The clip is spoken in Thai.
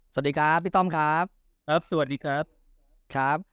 สวัสดีครับพี่ต้อมครับเอิร์ฟสวัสดีครับครับ